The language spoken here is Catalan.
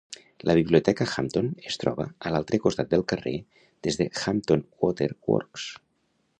La Biblioteca Hampton es troba a l'altre costat del carrer des de Hampton Water Works.